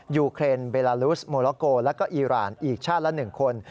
ยูเครนเบลาลูสโมโลโกแล้วก็อีรานอีกชาติละ๑คน